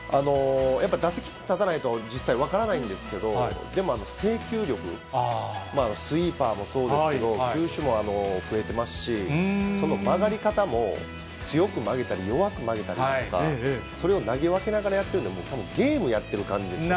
やっぱり打席に立たないと実際分からないんですけど、でも、制球力、スイーパーもそうですけど、球種も増えてますし、その曲がり方も強く曲げたり、弱く曲げたりとか、それを投げ分けながらやっているので、たぶんゲームやっている感じですよ。